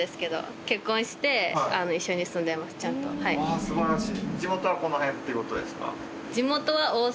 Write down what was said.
あ素晴らしい。